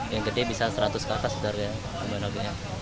yang gede bisa seratus ke atas harganya